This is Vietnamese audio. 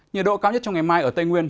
nhiệt độ cao nhất trong ngày mai ở tây nguyên